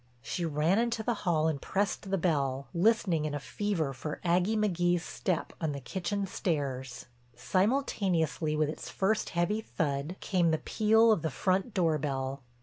She ran into the hall and pressed the bell, listening in a fever for Aggie McGee's step on the kitchen stairs. Simultaneously with its first heavy thud came the peal of the front door bell.